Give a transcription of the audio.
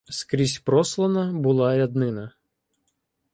Скрізь прослана була ряднина